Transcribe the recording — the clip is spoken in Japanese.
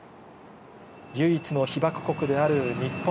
唯一の被爆国である日本。